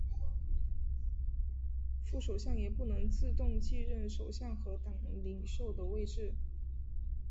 副首相也不能自动继任首相和党领袖的位置。